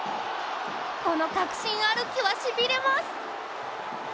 この確信歩きはしびれます！